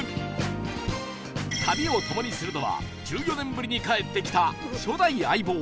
旅を共にするのは１４年ぶりに帰ってきた初代相棒